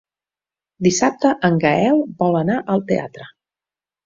Dissabte en Gaël vol anar al teatre.